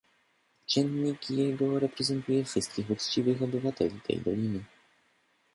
"Dziennik jego reprezentuje wszystkich uczciwych obywateli tej doliny."